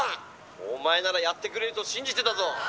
お前ならやってくれると信じてたぞ」。